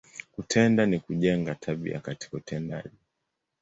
Kutenda, ni kujenga, tabia katika utendaji.